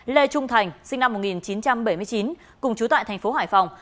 lê trung thành sinh năm một nghìn chín trăm bảy mươi chín cùng chú tại tp hải phòng